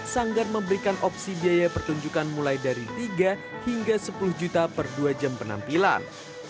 sanggar memberikan opsi biaya pertunjukan mulai dari tiga hingga sepuluh juta per dua jam penampilan